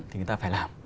thì người ta phải làm